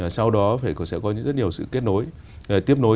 sau đó sẽ có rất nhiều sự kết nối